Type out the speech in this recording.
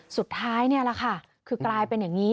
สุดท้ายนี่แหละค่ะคือกลายเป็นอย่างนี้